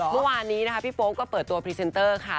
เมื่อวานนี้นะคะพี่โป๊กก็เปิดตัวพรีเซนเตอร์ค่ะ